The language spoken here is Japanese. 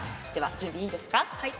準備いいですか？